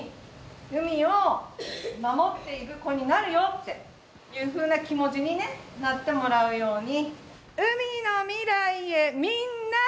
海を守っていく子になるよっていうふうな気持ちにねなってもらうように。